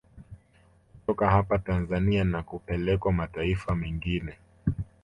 Kutoka hapa Tanzania na kupelekwa mataifa mengine